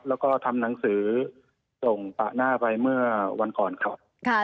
แล้วก็ทำหนังสือส่งปะหน้าไปเมื่อวันก่อนครับ